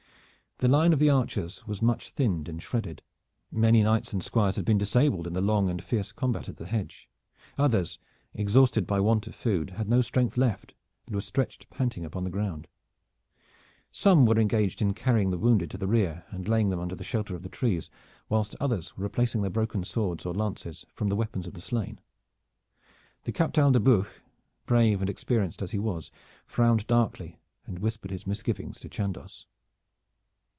The line of the archers was much thinned and shredded. Many knights and squires had been disabled in the long and fierce combat at the hedge. Others, exhausted by want of food, had no strength left and were stretched panting upon the ground. Some were engaged in carrying the wounded to the rear and laying them under the shelter of the trees, whilst others were replacing their broken swords or lances from the weapons of the slain. The Captal de Buch, brave and experienced as he was, frowned darkly and whispered his misgivings to Chandos.